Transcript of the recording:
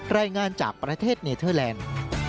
รายงานจากประเทศเนเทอร์แลนด์